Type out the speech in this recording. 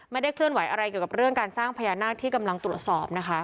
ไม่ได้เคลื่อนไหวอะไรเกี่ยวกับเรื่องการสร้างพญานาคที่กำลังตรวจสอบนะคะ